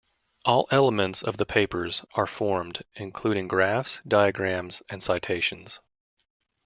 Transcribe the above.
All elements of the papers are formed, including graphs, diagrams, and citations.